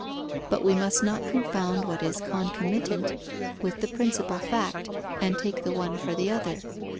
But we must not confound what is concomitant, with the principal fact, and take the one for the other.